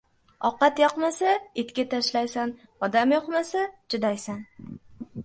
• Ovqat yoqmasa — itga tashlaysan, odam yoqmasa — chidaysan.